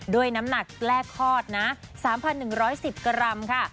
ด้วยน้ำหนักแรกคลอดนะ๓๑๑๐กรัมค่ะ